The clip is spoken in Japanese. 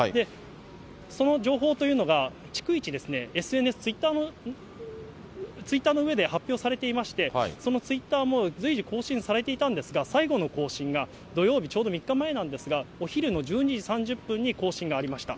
その情報というのが逐一、ＳＮＳ、ツイッターの上で発表されていまして、そのツイッターも随時更新されていたんですが、最後の更新が土曜日、ちょうど３日前なんですが、お昼の１２時３０分に更新がありました。